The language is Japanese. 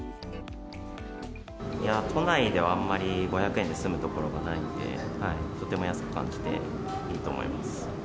都内ではあんまり５００円で済む所がないんで、とても安く感じて、いいと思います。